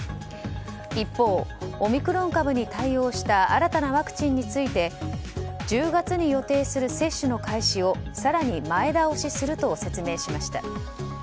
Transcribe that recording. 一方、オミクロン株に対応した新たなワクチンについて１０月に予定する接種の開始を更に前倒しすると説明しました。